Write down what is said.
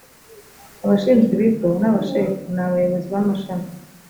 abashinzwe ibigo n’abashefu ni abayobozi b’amashami